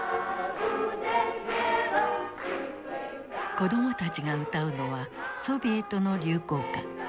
子供たちが歌うのはソビエトの流行歌。